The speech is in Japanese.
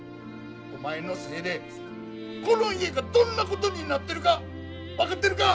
お前のせいでこの家がどんなことになってるか分かってるか！